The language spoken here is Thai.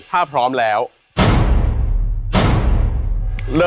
มันเป็นอะไร